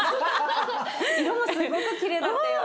色もすごくきれいだったよね。